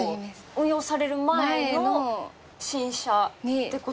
運用される前の新車って事？